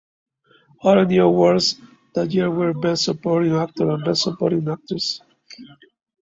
Other new awards that year were Best Supporting Actor and Best Supporting Actress.